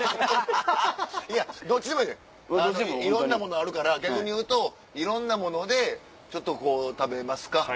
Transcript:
いやどっちでもええねんいろんなものあるから逆にいうといろんなものでちょっとこう食べますか。